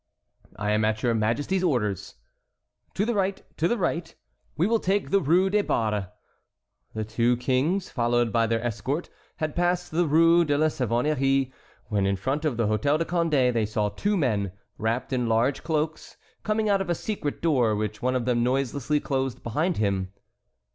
"I am at your Majesty's orders." "To the right! to the right! We will take the Rue des Barres." The two kings, followed by their escort, had passed the Rue de la Savonnerie, when in front of the Hôtel de Condé they saw two men, wrapped in large cloaks, coming out of a secret door which one of them noiselessly closed behind him.